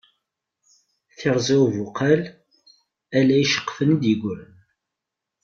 Tirẓi ubuqal, ala iceqfan i d-yegran.